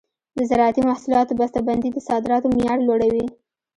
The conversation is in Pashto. د زراعتي محصولاتو بسته بندي د صادراتو معیار لوړوي.